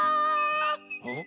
うん？